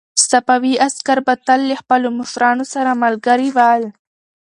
صفوي عسکر به تل له خپلو مشرانو سره ملګري ول.